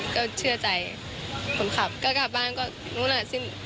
ก็เชื่อใจผลขับก็กลับบ้านก็นู้นละ